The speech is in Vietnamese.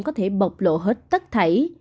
có thể bọc lộ hết tất thảy